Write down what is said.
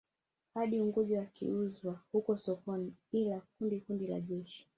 Hadi Unguja wakiuzwa huko sokoni ila kundi kundi la jeshi